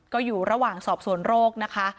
ก็อยู่ระหว่างสอบสวนโรคนะคะ